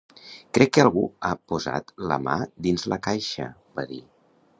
“Crec que algú ha posat la mà dins la caixa”, va dir.